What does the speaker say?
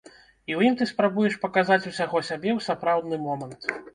І ў ім ты спрабуеш паказаць усяго сябе ў сапраўдны момант.